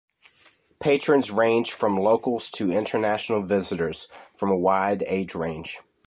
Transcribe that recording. Patrons range from locals to international visitors, from a wide age range.